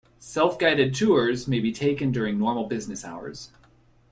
Self-guided tours may be taken during normal business hours.